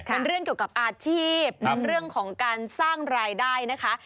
เป็นเรื่องเกี่ยวกับอาชีพเป็นเรื่องของการสร้างรายได้นะคะ